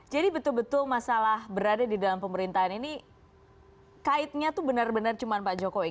jadi betul betul masalah berada di dalam pemerintahan ini kaitnya tuh benar benar cuma pak jokowi